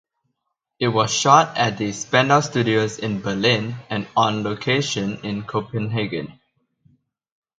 It was shot at the Spandau Studios in Berlin and on location in Copenhagen.